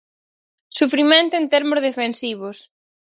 Sufrimento en termos defensivos.